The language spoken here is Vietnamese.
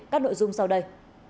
các nội dung sau đây